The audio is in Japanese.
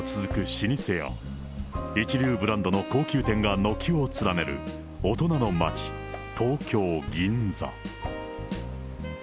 １００年以上続く老舗や、一流ブランドの高級店が軒を連ねる大人の街、東京・銀座。